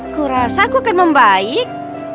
aku rasa aku akan membaik